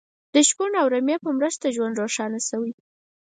د شپون او رمې په مرسته ژوند روښانه شوی.